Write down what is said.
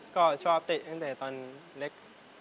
ก็ชอบเตะตั้งแต่ตอนเล็ก